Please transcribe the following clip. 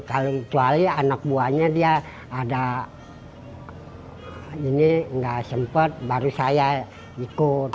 kalau kecuali anak buahnya dia ada ini gak sempet baru saya ikut